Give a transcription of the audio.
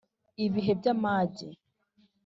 Ibihe by’amage.